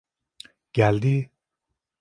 Geldi!